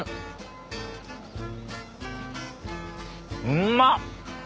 うまっ！